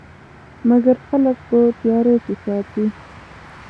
مګر خلک په تیارو کې ساتي.